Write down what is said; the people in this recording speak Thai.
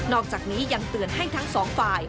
อกจากนี้ยังเตือนให้ทั้งสองฝ่าย